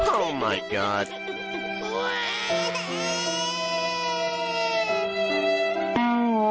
โอ้โห